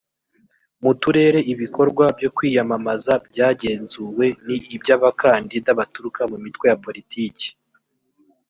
mu turere ibikorwa byo kwiyamamaza byagenzuwe ni iby abakandida baturuka mu mitwe ya politiki